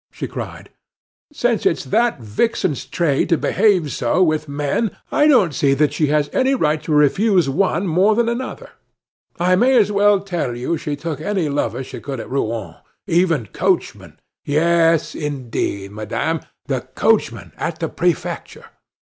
she cried. "Since it's that vixen's trade to behave so with men I don't see that she has any right to refuse one more than another. I may as well tell you she took any lovers she could get at Rouen even coachmen! Yes, indeed, madame the coachman at the prefecture!